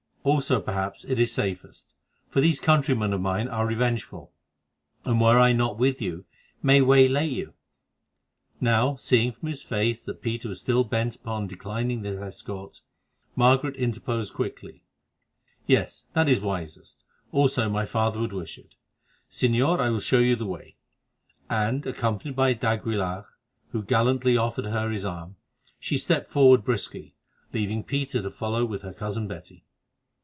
Also, perhaps, it is safest, for these countrymen of mine are revengeful, and, were I not with you, might waylay you." Now, seeing from his face that Peter was still bent upon declining this escort, Margaret interposed quickly. "Yes, that is wisest, also my father would wish it. Señor, I will show you the way," and, accompanied by d'Aguilar, who gallantly offered her his arm, she stepped forward briskly, leaving Peter to follow with her cousin Betty.